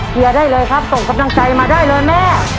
ได้เลยครับส่งกำลังใจมาได้เลยแม่